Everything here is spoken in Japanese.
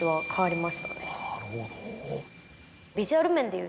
なるほど。